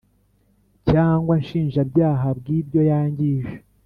cyangwa nshinjabyaha bw ibyo yangije